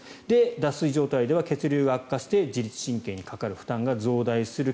脱水状態では血流が悪化して自律神経にかかる負担が増大する。